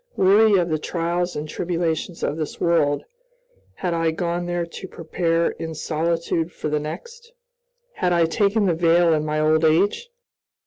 Weary of the trials and tribulations of this world, had I gone there to prepare in solitude for the next? Had I taken the veil in my old age?